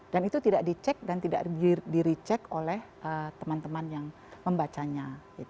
dan itu tidak dicek dan tidak diricek oleh teman teman yang membacanya